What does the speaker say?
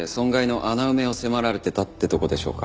損害の穴埋めを迫られてたってとこでしょうか。